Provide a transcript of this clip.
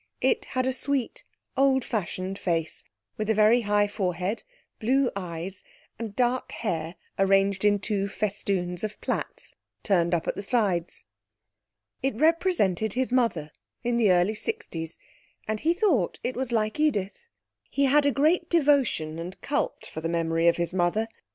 It had a sweet, old fashioned face, with a very high forehead, blue eyes, and dark hair arranged in two festoons of plaits, turned up at the sides. It represented his mother in the early sixties and he thought it was like Edith. He had a great devotion and cult for the memory of his mother.